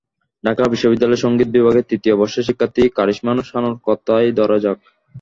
ঢাকা বিশ্ববিদ্যালয়ের সংগীত বিভাগের তৃতীয় বর্ষের শিক্ষার্থী কারিশমা শানুর কথাই ধার যাক।